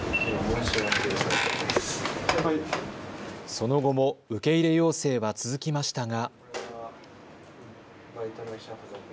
その後も受け入れ要請は続きましたが。